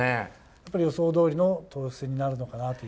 やっぱり予想どおりの投手戦になるのかなという。